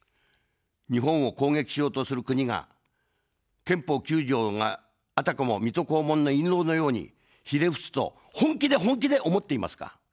日本を攻撃しようとする国が、憲法９条が、あたかも水戸黄門の印籠のようにひれ伏すと、本気で本気で思っていますか。